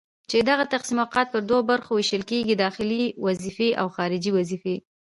چي دغه تقسيمات پر دوو برخو ويشل کيږي:داخلي وظيفي او خارجي وظيفي